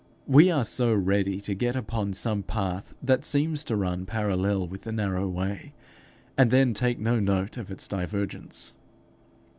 We are so ready to get upon some path that seems to run parallel with the narrow way, and then take no note of its divergence!